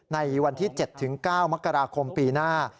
ในวันที่๗๙มกราคมปีหน้า